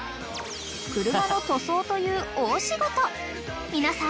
［車の塗装という大仕事］